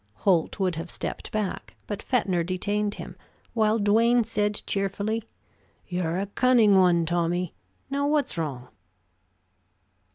Holt would have stepped back, but Fetner detained him, while Duane said cheerfully: "You're a cunning one, Tommy. Now, what's wrong?"